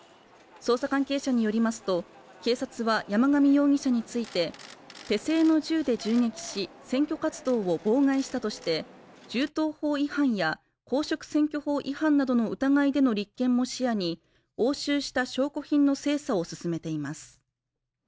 捜査関係者によりますと警察は山上容疑者について手製の銃で銃撃し選挙活動を妨害したとして銃刀法違反や公職選挙法違反などの疑いでの立件も視野に押収した証拠品の精査を進めています